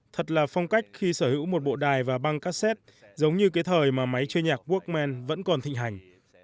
thật là phong cách khi sở hữu một bộ đài và băng kassette giống như cái thời mà máy chơi nhạc bokmen vẫn còn thịnh hành